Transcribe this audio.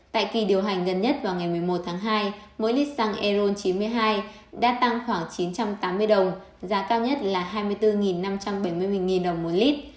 tại kỳ điều hành gần nhất vào ngày một mươi một tháng hai mỗi lít xăng eron chín mươi hai đã tăng khoảng chín trăm tám mươi đồng giá cao nhất là hai mươi bốn năm trăm bảy mươi đồng một lít